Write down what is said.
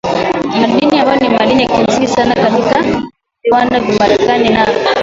madini ambayo ni madini ya msingi sana katika viwanda vya marekani na